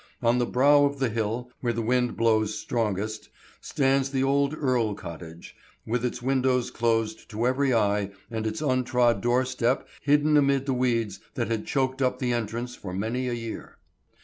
On the brow of the hill where the wind blows strongest, stands the old Earle cottage, with its windows closed to every eye and its untrod doorstep hidden amid weeds that had choked up the entrance for many a year.